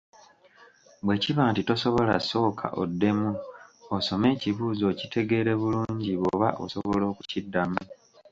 Bwe kiba nti tosobola sooka oddemu osome ekibuuzo okitegeere bulungi bw’oba osobola okukiddamu.